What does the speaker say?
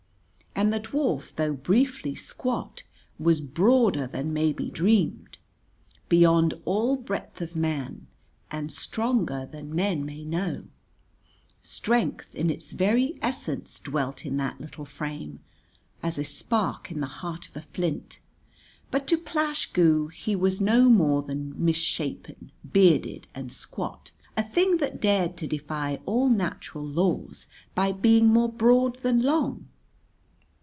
And the dwarf though briefly squat was broader than may be dreamed, beyond all breadth of man, and stronger than men may know; strength in its very essence dwelt in that little frame, as a spark in the heart of a flint: but to Plash Goo he was no more than mis shapen, bearded and squat, a thing that dared to defy all natural laws by being more broad than long.